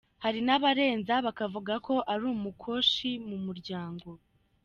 Hari n'abarenza bakavuga ko ari umukoshi mu muryango.